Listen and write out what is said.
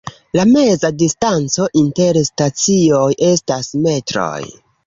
La meza distanco inter stacioj estas metroj.